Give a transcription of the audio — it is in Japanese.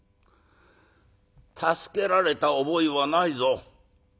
「助けられた覚えはないぞ。